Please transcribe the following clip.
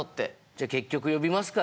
じゃあ結局呼びますか。